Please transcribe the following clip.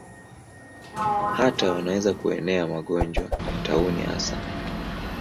Hata wanaweza kuenea magonjwa, tauni hasa.